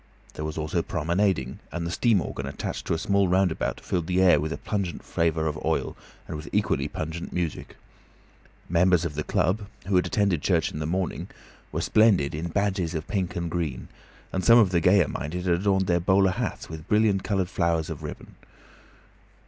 There was also promenading, and the steam organ attached to a small roundabout filled the air with a pungent flavour of oil and with equally pungent music. Members of the club, who had attended church in the morning, were splendid in badges of pink and green, and some of the gayer minded had also adorned their bowler hats with brilliant coloured favours of ribbon.